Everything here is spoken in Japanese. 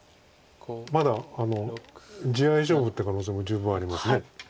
まだ地合い勝負っていう可能性も十分あります。